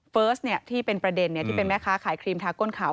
เฟิร์สที่เป็นประเด็นที่เป็นแม่ค้าขายครีมทาก้นขาว